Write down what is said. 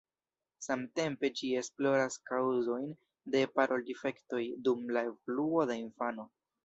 Samtempe ĝi esploras kaŭzojn de parol-difektoj dum la evoluo de infano.